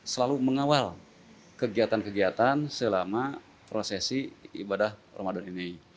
selalu mengawal kegiatan kegiatan selama prosesi ibadah ramadan ini